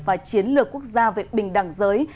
và chiến lược quốc gia về bình đẳng giới